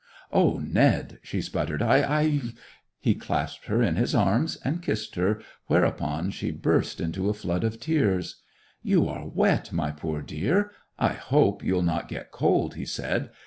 'O Ned!' she sputtered, 'I—I—' He clasped her in his arms and kissed her, whereupon she burst into a flood of tears. 'You are wet, my poor dear! I hope you'll not get cold,' he said.